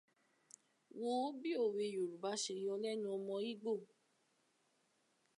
Wò ó bí òwé Yorùbá ṣe yọ̀ lẹ́nu ọmọ Ìgbó.